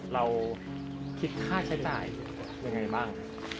เราคิดค่าใช้จ่ายยังไงบ้าง